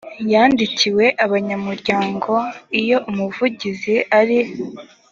yandikiwe abanyamuryango iyo umuvugiziari